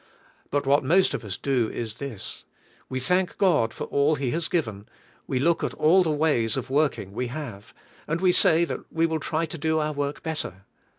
But what most of us do is this: we thank God for all He has given, we look at all the ways of w^orking we have, and we say that we will try to do our work better.